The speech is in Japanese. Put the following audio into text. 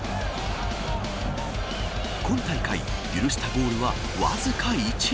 今大会、許したゴールはわずか１。